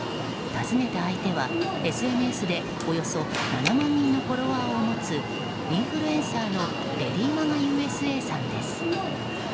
訪ねた相手はＳＮＳでおよそ７万人のフォロワーを持つインフルエンサーのレディー・マガ・ＵＳＡさんです。